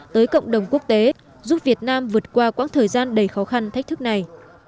tới cộng đồng quốc tế giúp việt nam vượt qua quãng thời gian đầy khó khăn thách thức này